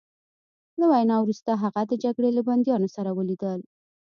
له وینا وروسته هغه د جګړې له بندیانو سره ولیدل